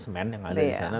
semen yang ada di sana